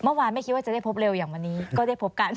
เมื่อวานไม่คิดว่าจะได้พบเร็วอย่างวันนี้ก็ได้พบกัน